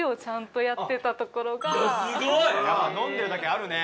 飲んでるだけあるね！